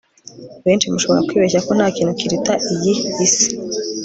benshi mushobora kwibeshya ko nta kintu kiruta iyi isi